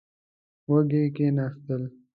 وږي کېناستل.